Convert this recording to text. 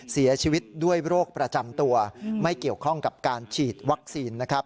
เสียชีวิตด้วยโรคประจำตัวไม่เกี่ยวข้องกับการฉีดวัคซีนนะครับ